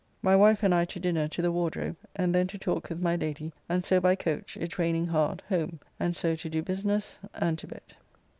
My wife and I to dinner to the Wardrobe, and then to talk with my Lady, and so by coach, it raining hard, home, and so to do business and to bed.